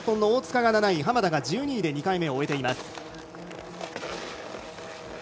大塚が７位浜田が１２位で２回目を終えています。